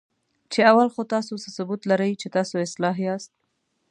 چې اول خو تاسو څه ثبوت لرئ، چې تاسو اصلاح یاست؟